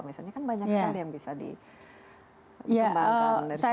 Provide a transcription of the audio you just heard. misalnya kan banyak sekali yang bisa dikembangkan